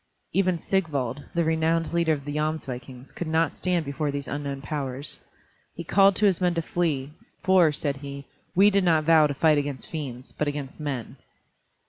Even Sigvald, the renowned leader of the Jomsvikings, could not stand before these unknown powers. He called to his men to flee, for, said he, "we did not vow to fight against fiends, but against men."